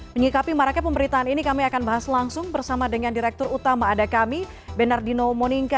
menyikapi maraknya pemberitaan ini kami akan bahas langsung bersama dengan direktur utama ada kami benar dino moningka